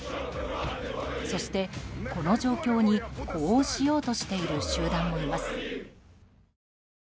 そして、この状況に呼応しようとしている集団もいます。